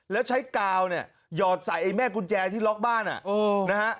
แล้วใช้กาวเนี่ยหยอดใส่ไอ้แม่กุญแจที่ล็อกบ้านนะฮะ